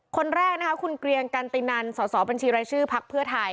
คนแรกนะคะคุณเกรียงกันตินันสอบบัญชีรายชื่อพักเพื่อไทย